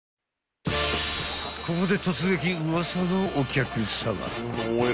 ［ここで］